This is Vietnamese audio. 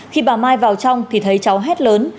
khi bà mai vào trong thì thấy cháu hết lớn